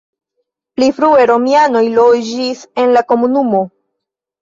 Pli frue romianoj loĝis en la komunumo.